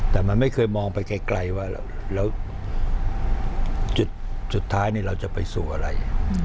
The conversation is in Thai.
แต่มันไม่เคยมองไปไกลว่าแล้วจุดสุดท้ายเราจะไปสู่อะไร